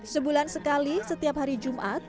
sebulan sekali setiap hari jumat